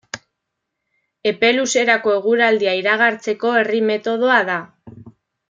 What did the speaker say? Epe luzerako eguraldia iragartzeko herri metodoa da.